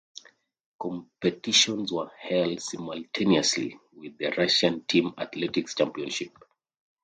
Competitions were held simultaneously with the Russian Team Athletics Championship.